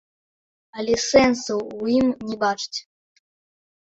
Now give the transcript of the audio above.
Але сэнсу ў ім не бачыць.